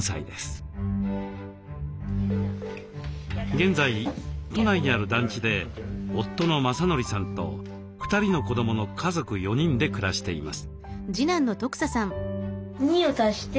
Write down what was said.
現在都内にある団地で夫の正憲さんと２人の子どもの家族４人で暮らしています。